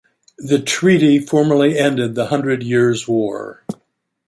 The treaty formally ended the Hundred Years' War.